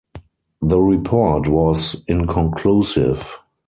The report was inconclusive.